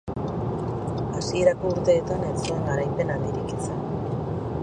Hasierako urteetan ez zuen garaipen handirik izan.